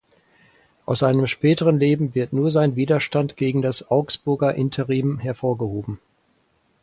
Aus seinem späteren Leben wird nur sein Widerstand gegen das Augsburger Interim hervorgehoben.